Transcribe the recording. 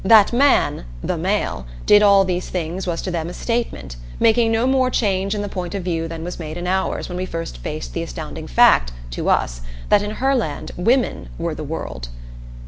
That man, "the male," did all these things was to them a statement, making no more change in the point of view than was made in ours when we first faced the astounding fact to us that in Herland women were "the world."